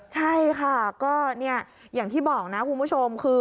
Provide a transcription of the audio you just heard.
ใช่ค่ะก็เนี่ยอย่างที่บอกนะคุณผู้ชมคือ